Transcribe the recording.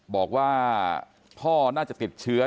บอกว่าพ่อน่าจะติดเชื้อ